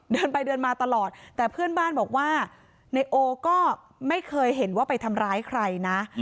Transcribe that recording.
เดินไปเดินมาตลอดแต่เพื่อนบ้านบอกว่านายโอก็ไม่เคยเห็นว่าไปทำร้ายใครนะ